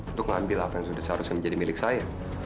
untuk mengambil apa yang sudah seharusnya menjadi milik saya